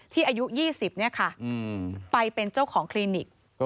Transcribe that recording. ที่อายุ๒๐นี่ค่ะ